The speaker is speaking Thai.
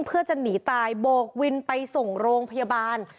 เพื่อจะหนีตายโบกวินไปส่งโรงพยาบาล